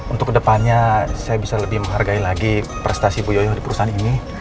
untuk kedepannya saya bisa lebih menghargai lagi prestasi bu yoyo di perusahaan ini